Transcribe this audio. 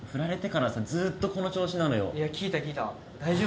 いや聞いた聞いた。